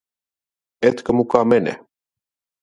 Etkö muka mene?